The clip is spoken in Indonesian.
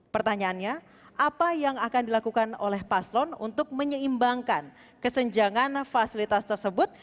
pertanyaannya apa yang akan dilakukan oleh paslon untuk menyeimbangkan kesenjangan fasilitas tersebut